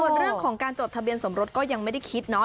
ส่วนเรื่องของการจดทะเบียนสมรสก็ยังไม่ได้คิดเนาะ